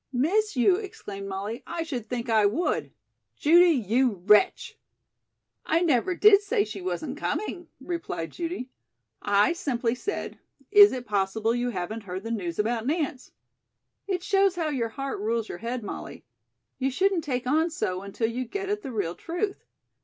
"Miss you?" exclaimed Molly. "I should think I would. Judy, you wretch!" "I never did say she wasn't coming," replied Judy. "I simply said, 'Is it possible you haven't heard the news about Nance?' It shows how your heart rules your head, Molly. You shouldn't take on so until you get at the real truth.